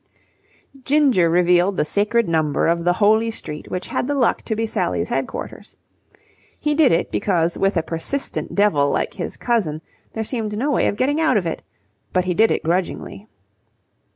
Ginger revealed the sacred number of the holy street which had the luck to be Sally's headquarters. He did it because with a persistent devil like his cousin there seemed no way of getting out of it: but he did it grudgingly.